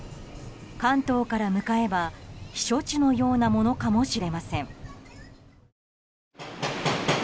関東から向かえば避暑地のようなものかもしれません。